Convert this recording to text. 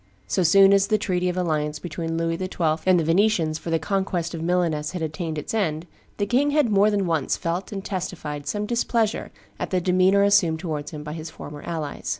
So soon as the treaty of alliance between Louis XII. and the Venetians for the conquest of Milaness had attained its end, the king had more than once felt and testified some displeasure at the demeanor assumed towards him by his former allies.